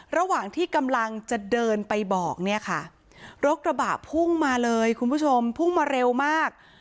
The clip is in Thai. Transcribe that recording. ระหว่างที่กำลังจะเดินไปบอกเนี่ยค่ะรถกระบะพุ่งมาเลยคุณผู้ชมพุ่งมาเร็วมาก